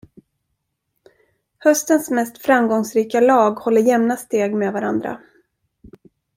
Höstens mest framgångsrika lag håller jämna steg med varandra.